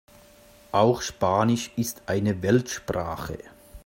Auch Spanisch ist eine Weltsprache.